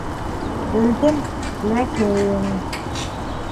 — Белдем, ләкин...